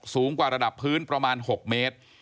สูงกว่าระดับพื้นประมาณ๖เมตร